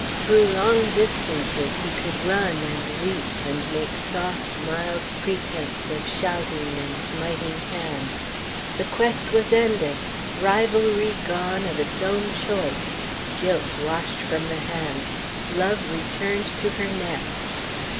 Through long distances he could run and leap, and make soft, mild pretence of shouting and smiting hands. The quest was ended! rivalry gone of its own choice, guilt washed from the hands, love returned to her nest.